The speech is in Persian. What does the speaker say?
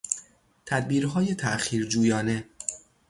تدبیرهای تاخیر جویانه